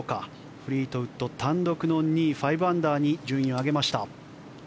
フリートウッド単独の２位５アンダーに順位を上げました。